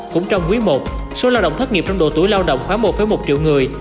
cũng trong quý i số lao động thất nghiệp trong độ tuổi lao động khoảng một một triệu người